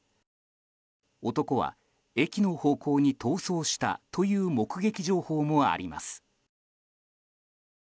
男は駅の方向に逃走したという目撃情報もあります。